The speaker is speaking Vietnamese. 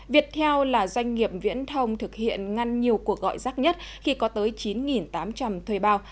viettel là doanh nghiệp viễn thông thực hiện ngăn nhiều cuộc gọi rác nhất khi có tới chín tám trăm linh thuê bao